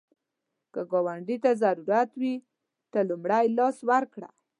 که ګاونډي ته ضرورت وي، ته لومړی لاس ورکړه